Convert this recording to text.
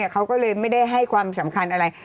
เขาก็เลยไม่ได้ให้ความสำคัญอะไร